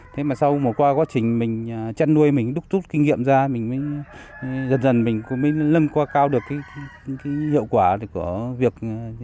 thế mà sau mà qua quá trình mình chăn nuôi mình đúc rút kinh nghiệm ra mình mới dần dần mình mới lân qua cao được cái hiệu quả của việc